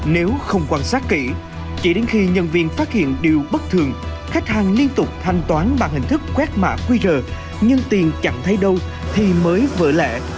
nếu không quan sát kỹ chỉ đến khi nhân viên phát hiện điều bất thường khách hàng liên tục thanh toán bằng hình thức quét mã qr nhưng tiền chẳng thấy đâu thì mới vỡ lẻ